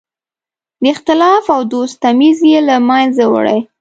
د اختلاف او دوست تمیز یې له منځه وړی.